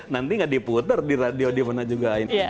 nanti nggak diputer di radio gimana juga